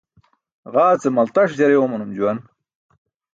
Ġaa ce maltaṣ jare oomanum juwan.